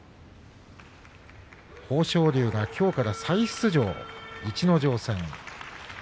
豊昇龍がきょうから再出場逸ノ城戦です。